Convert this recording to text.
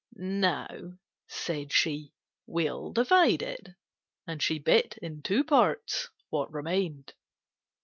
"Now," said she, "we'll divide it," and she bit in two parts what remained.